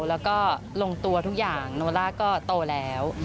แล้วก็ลงตัวทุกอย่างโนล่าก็โตแล้ว